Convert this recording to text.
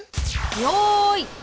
よい。